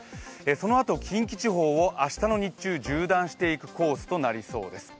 そのあと近畿地方を明日の日中、縦断していくコースとなりそうです。